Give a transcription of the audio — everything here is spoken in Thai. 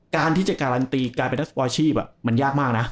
การที่จะการันตีการเป็นนักสปอร์ชีพมันยากมากนะ